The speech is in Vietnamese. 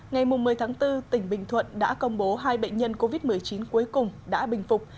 ngày một mươi tháng bốn tỉnh bình thuận đã công bố hai bệnh nhân covid một mươi chín cuối cùng đã bình phục